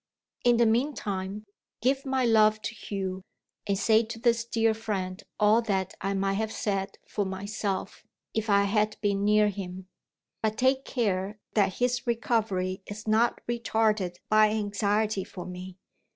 In the meantime, give my love to Hugh, and say to this dear friend all that I might have said for myself, if I had been near him. But take care that his recovery is not retarded by anxiety for me.